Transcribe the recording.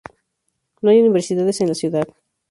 No hay universidades en la ciudad.